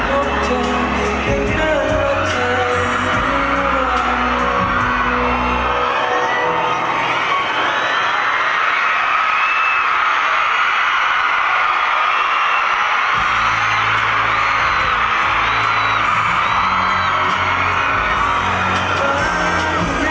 เหมือนใจฉันกลับมาเพื่อมันของเธอ